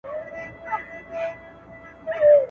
ما مي په تحفه کي وزرونه درته ایښي دي `